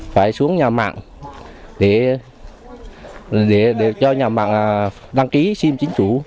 phải xuống nhà mạng để cho nhà mạng đăng ký sim chính chủ